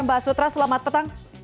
mbak sutra selamat petang